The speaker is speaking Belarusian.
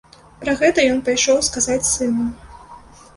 Пра гэта ён пайшоў сказаць сыну.